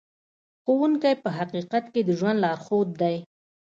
ښوونکی په حقیقت کې د ژوند لارښود دی.